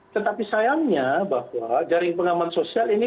tetapi sayangnya bahwa jaring pengaman sosial ini